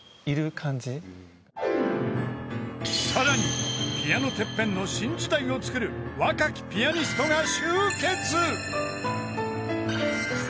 ［さらにピアノＴＥＰＰＥＮの新時代をつくる若きピアニストが集結］